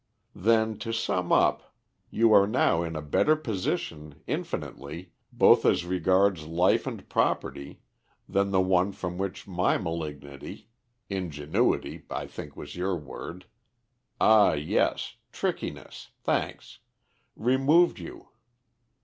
"Then to sum up, you are now in a better position infinitely both as regards life and property, than the one from which my malignity ingenuity I think was your word ah, yes trickiness thanks removed you.